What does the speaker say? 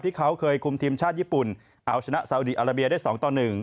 ที่เขาเคยคุมทีมชาติญี่ปุ่นเอาชนะสาวดีอาราเบียได้๒ต่อ๑